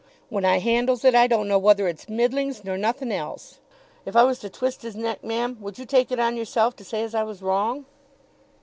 When I handles it I don't know whether its middlings nor nothin' else. If I was to twist his neck, ma'am, would you take it on yourself to say as I was wrong?"